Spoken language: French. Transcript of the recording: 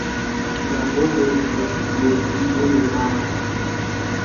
La rose répondait : le plus beau des marbres